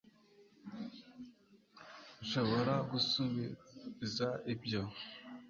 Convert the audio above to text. nshobora gusubiza ibyo